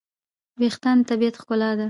وېښتيان د طبیعت ښکلا ده.